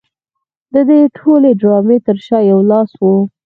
د دې ټولې ډرامې تر شا یو لاس و